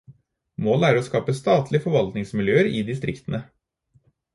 Målet er å skape statlige forvaltningsmiljøer i distriktene.